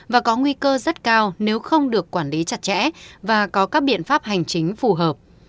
và có nguy cơ rất cao nếu không được quản lý chặt chẽ và có các biện pháp hành chính phù hợp